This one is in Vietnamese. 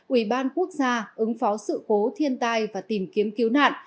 ủy ban quốc gia ứng phó sự cố thiên tai và tìm kiếm cứu nạn